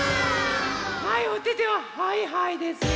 はいおててをはいはいですよ！